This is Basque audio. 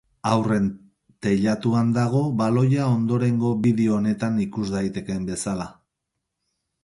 Haurren teilatuan dago baloia ondorengo bideo honetan ikus daitekeen bezala.